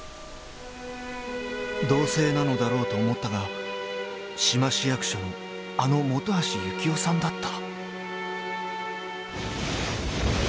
［同姓なのだろうと思ったが志摩市役所のあの本橋幸雄さんだった］